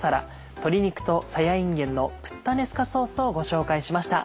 「鶏肉とさやいんげんのプッタネスカソース」をご紹介しました。